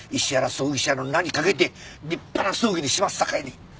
葬儀社の名に懸けて立派な葬儀にしますさかいに。